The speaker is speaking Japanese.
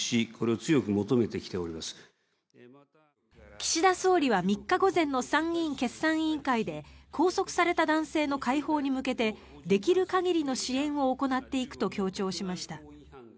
岸田総理は３日午前の参議院決算委員会で拘束された男性の解放に向けてできる限りの支援を行っていくと強調しました。